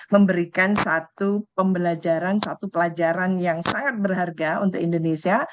memberikan satu pembelajaran satu pelajaran yang sangat berharga untuk indonesia